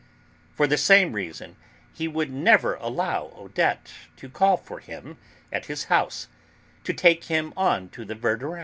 For the same reason, he would never allow Odette to call for him at his house, to take him on to the Verdurins'.